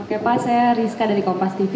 oke pak saya rizka dari kompastv